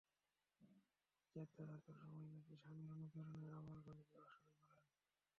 Jeddah থাকার সময় নাকি স্বামীর অনুপ্রেরণায় আবার গান গাওয়া শুরু করেন।